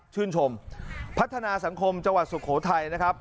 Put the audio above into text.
ชื่นชมพัฒนาสังคมจังหวัดสุโขทัยนะครับ